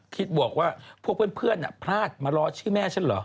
บวกว่าพวกเพื่อนพลาดมารอชื่อแม่ฉันเหรอ